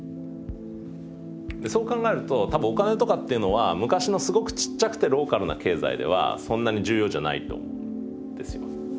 そう考えると多分お金とかっていうのは昔のすごくちっちゃくてローカルな経済ではそんなに重要じゃないと。ですよ。